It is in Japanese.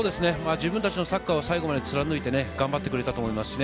自分たちのサッカーを最後まで貫いて頑張ってくれたと思います。